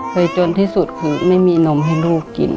จนที่สุดคือไม่มีนมให้ลูกกิน